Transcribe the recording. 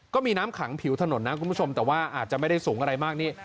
ก็มีน้ำขังผิวถนนนะคุณผู้ชมแต่ว่าอาจจะไม่ได้สูงอะไรมากนี่